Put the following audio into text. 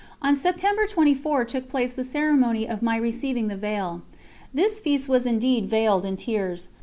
On September 24 took place the ceremony of my receiving the veil. This feast was indeed veiled in tears.